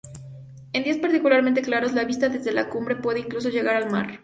En días particularmente claros, la vista desde la cumbre puede incluso llegar al mar.